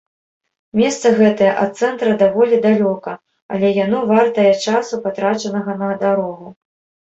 Месца гэтае ад цэнтра даволі далёка, але яно вартае часу, патрачанага на дарогу.